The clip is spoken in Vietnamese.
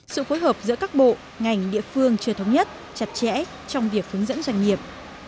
sự phối hợp giữa các bộ ngành địa phương chưa thống nhất chặt chẽ trong việc hướng dẫn doanh nghiệp